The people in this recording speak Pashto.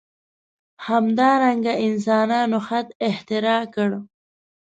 همدارنګه انسانانو خط اختراع کړ.